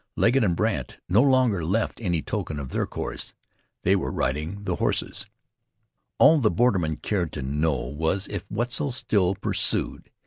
Legget and Brandt no longer left any token of their course. They were riding the horses. All the borderman cared to know was if Wetzel still pursued.